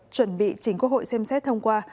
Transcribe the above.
chuẩn bị chính quốc hội xem xét thông qua